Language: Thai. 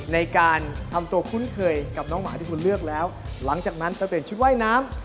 ในการทำตัวคุ้นเคยกับน้องหมาที่คุณเลือกแล้วหลังจากนั้นจะเปลี่ยนชุดว่ายน้ำ